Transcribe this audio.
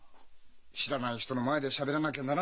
知らない人の前でしゃべらなきゃならんし。